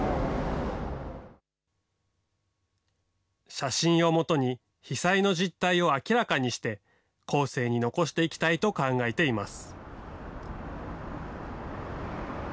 写真をもとに被災の実態を明らかにして、後世に残していきたいと考えています。